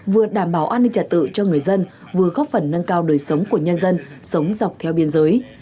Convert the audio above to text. vừa đảm bảo an ninh trả tự cho người dân vừa góp phần nâng cao đời sống của nhân dân sống dọc theo biên giới